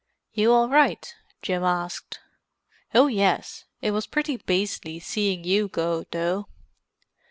"You all right?" Jim asked. "Oh, yes. It was pretty beastly seeing you go, though."